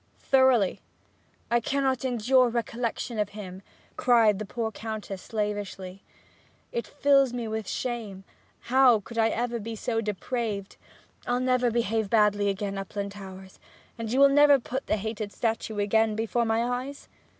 'Thoroughly?' 'I cannot endure recollection of him!' cried the poor Countess slavishly. 'It fills me with shame how could I ever be so depraved! I'll never behave badly again, Uplandtowers; and you will never put the hated statue again before my eyes?'